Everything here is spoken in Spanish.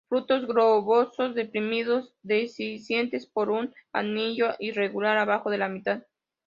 Frutos globoso-deprimidos, dehiscentes por un anillo irregular abajo de la mitad.